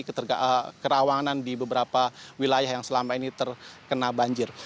kerawanan di beberapa wilayah yang selama ini terkena banjir